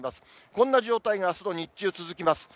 こんな状態があすの日中、続きます。